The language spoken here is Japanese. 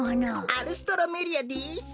アルストロメリアです。